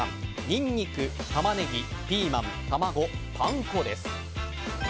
ニンニク、タマネギ、ピーマン卵、パン粉です。